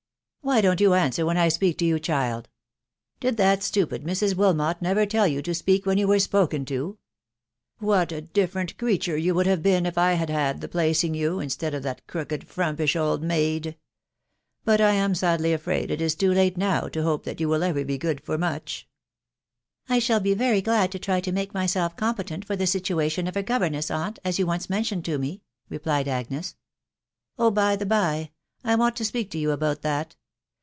" Why don't you answer when I speak to you, child ?.... Did that stupid Mrs. Wilmot never tell you to speak when you were spoken to ?.... What a different creature you would have been if I had had the placing you, instead of that crooKed, frumpish old maid !.... But I am sadly afraid it is too late now to hope that you will ever be good fot m\ictu" " I should he rery glad to try to make m^B&i coTO$*ta9& THE WIDOW BABJTABY. 141 for the situation of a governess, aunt, as you once mentioned to me/' replied Agnes. " Oh ! by the by, I want to speak to you about that.